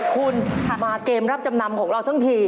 คุณมาเกมรับจำนำของเราทั้งที